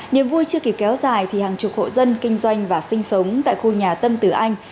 niềm vui chưa kịp kéo dài thì hàng chục hộ dân kinh doanh và sinh sống tại khu nhà tân tử anh